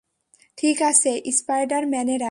ঠিক আছে, স্পাইডার-ম্যানেরা।